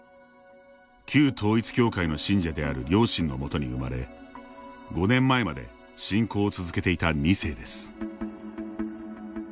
旧統一教会の信者である両親のもとに生まれ５年前まで信仰を続けていた２世です。